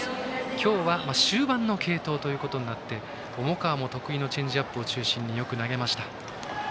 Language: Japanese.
今日は終盤の継投となって重川も得意のチェンジアップを中心によく投げました。